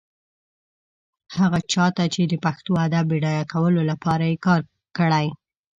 هغه چا ته چې د پښتو ادب بډایه کولو لپاره يې کار کړی.